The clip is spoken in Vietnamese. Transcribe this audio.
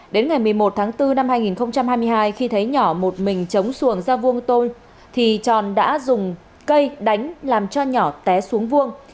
đến ngày một mươi một tháng bốn năm hai nghìn hai mươi hai khi thấy nhỏ một mình chống xuồng ra vuông tôi thì tròn đã dùng cây đánh làm cho nhỏ té xuống vuông